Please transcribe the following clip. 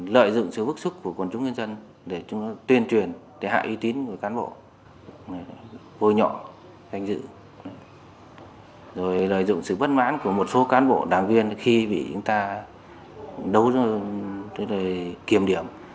lợi dụng sự uy tín và ảnh hưởng của những người như mò ben